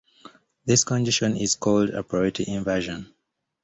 This condition is called a priority inversion.